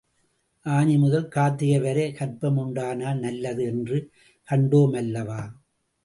ஆனிமுதல் கார்த்திகை வரை கர்ப்பம் உண்டானால் நல்லது என்று கண்டோம் அல்லவா?